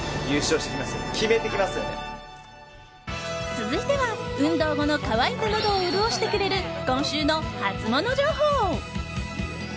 続いては運動後の渇いたのどを潤してくれる今週のハツモノ情報！